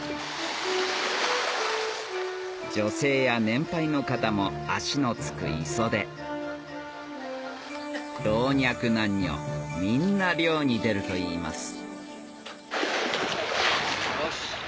女性や年配の方も足のつく磯で老若男女みんな漁に出るといいます